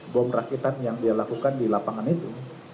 bom rakitan yang dia lakukan di lapangan itu